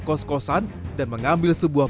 kos kosan dan mengambil sebuah